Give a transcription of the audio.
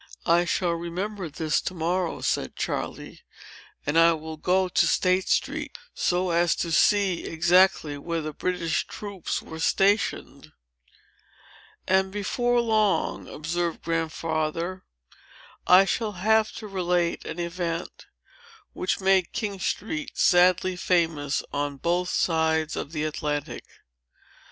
"I shall remember this, to morrow," said Charley; "and I will go to State Street, so as to see exactly where the British troops were stationed." "And, before long," observed Grandfather, "I shall have to relate an event, which made King Street sadly famous on both sides of the Atlantic.